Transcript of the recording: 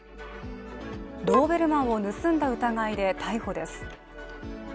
ドーベルマンを盗んだ疑いで逮捕です。